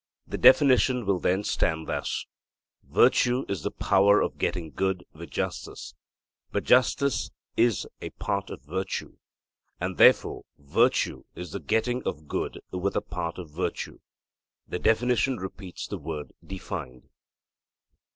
The definition will then stand thus: 'Virtue is the power of getting good with justice.' But justice is a part of virtue, and therefore virtue is the getting of good with a part of virtue. The definition repeats the word defined.